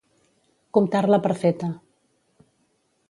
Comptar-la per feta.